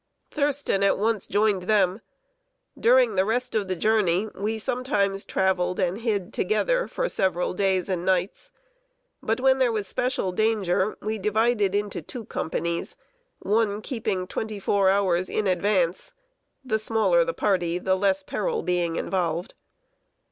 Thurston at once joined them. During the rest of the journey, we sometimes traveled and hid together for several days and nights; but, when there was special danger, divided into two companies, one keeping twenty four hours in advance the smaller the party, the less peril being involved.